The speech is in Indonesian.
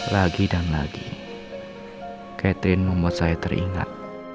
lagi dan lagi catherine membuat saya teringat